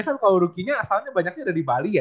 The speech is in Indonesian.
kalau ruki nya soalnya banyaknya dari bali ya